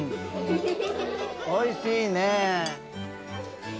おいしいねぇ。